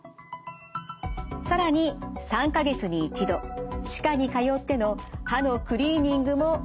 更に３か月に１度歯科に通っての歯のクリーニングも欠かしません。